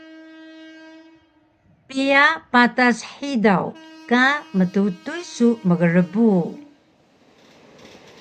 Piya patas hidaw ka mtutuy su mgrbu?